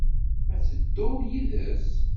Ad tedduḍ yid-s?